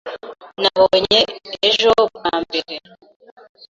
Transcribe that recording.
Nabonye ejo bwa mbere.